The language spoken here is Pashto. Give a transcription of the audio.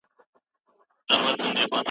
عام افغانان د غونډو جوړولو قانوني اجازه نه لري.